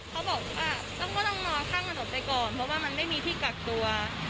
เขาบอกว่าต้องนอนข้างถนนไปก่อนเพราะว่ามันไม่มีที่กักตัว